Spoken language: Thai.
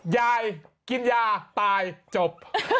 ยายกินยาตายจบ